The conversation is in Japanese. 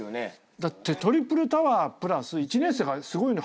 だってトリプルタワープラス１年生がすごいの入ったね。